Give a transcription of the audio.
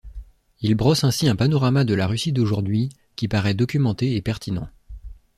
Il brosse ainsi un panorama de la Russie d'aujourd'hui qui paraît documenté et pertinent.